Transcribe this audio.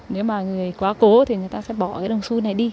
nếu mà người quá cố thì người ta sẽ bỏ cái đồng xu này đi